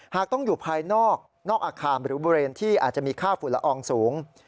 หากต้องอยู่ภายนอกนอกอาคารหรือบริเวณที่อาจจะมีค่าฝุ่นละอองสูง